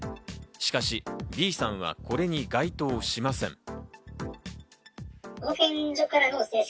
しかしＢさんはこれに該当しません。